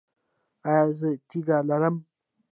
ایا زه تیږه لرم؟